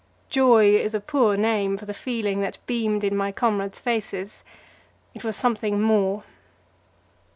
Joy is a poor name for the feeling that beamed in my comrades' faces; it was something more.